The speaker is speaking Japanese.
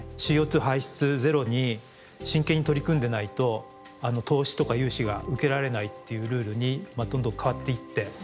ＣＯ排出ゼロに真剣に取り組んでないと投資とか融資が受けられないっていうルールにどんどん変わっていって。